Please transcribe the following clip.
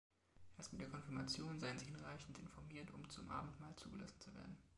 Erst mit der Konfirmation seien sie hinreichend informiert, um zum Abendmahl zugelassen zu werden.